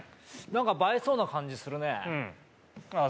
何か映えそうな感じするね